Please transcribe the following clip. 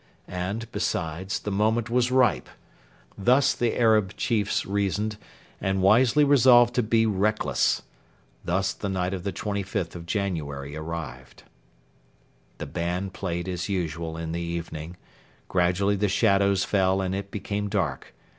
And, besides, the moment was ripe. Thus the Arab chiefs reasoned, and wisely resolved to be reckless. Thus the night of the 25th of January arrived. The band played as usual in the evening. Gradually the shadows fell and it became dark.